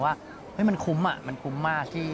ว่ามันคุ้มมันคุ้มมากที่